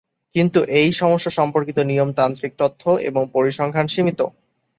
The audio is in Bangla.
কিন্তু এই সমস্যা সম্পর্কিত নিয়মতান্ত্রিক তথ্য এবং পরিসংখ্যান সীমিত।